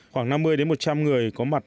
khoảng năm mươi một trăm linh người có mặt